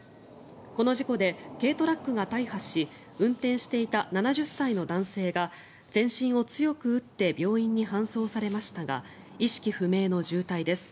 この事故で軽トラックが大破し運転していた７０歳の男性が全身を強く打って病院に搬送されましたが意識不明の重体です。